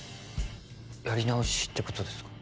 やり直しってことですか